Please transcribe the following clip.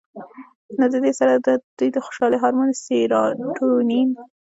نو د دې سره دوه د خوشالۍ هارمون سېراټونین